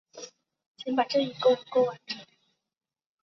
桑普森县是美国北卡罗莱纳州中南部的一个县。